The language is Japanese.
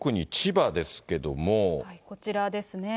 こちらですね。